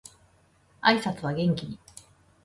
挨拶は元気に